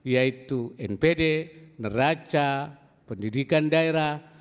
yaitu npd neraca pendidikan daerah